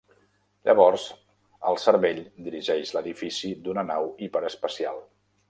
Llavors, "El Cervell" dirigeix l'edifici d'una nau hiperespacial.